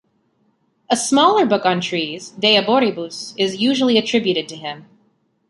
A smaller book on trees, "De arboribus", is usually attributed to him.